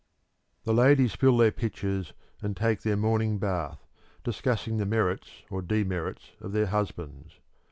The ladies fill their pitchers and take their morning bath, discussing the merits or demerits of their husbands.